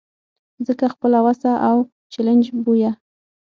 ځکه خپله وسه اوس چلنج بویه.